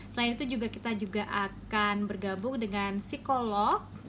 selain itu juga kita juga akan bergabung dengan psikolog